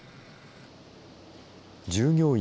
従業員